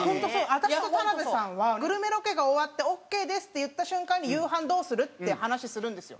私と田辺さんはグルメロケが終わって「オーケーです」って言った瞬間に「夕飯どうする？」って話するんですよ。